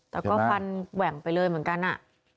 แต่ก็ฟันแหว่งไปเลยเหมือนกันอ่ะ